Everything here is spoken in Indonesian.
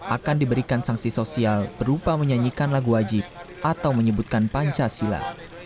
akan diberikan sanksi sosial berupa menyanyikan lagu wajib atau menyebutkan pancasila